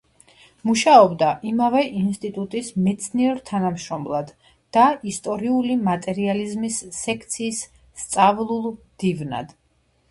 მუშაობდა იმავე ინსტიტუტის მეცნიერ-თანამშრომლად და ისტორიული მატერიალიზმის სექციის სწავლულ მდივნად.